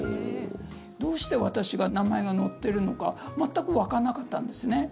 どうして私が名前が載ってるのか全くわからなかったんですね。